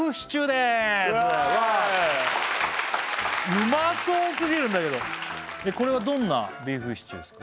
うまそうすぎるんだけどこれはどんなビーフシチューですか？